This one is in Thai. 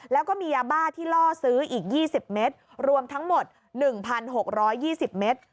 แล้วก็มียาบ้าที่ล่อซื้ออีก๒๐เมตรรวมทั้งหมด๑๖๒๐เมตร